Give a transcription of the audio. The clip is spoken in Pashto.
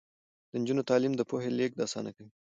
د نجونو تعلیم د پوهې لیږد اسانه کوي.